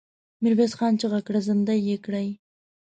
ميرويس خان چيغه کړه! زندۍ يې کړئ!